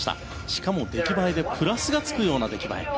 しかもプラスがつくような出来栄え。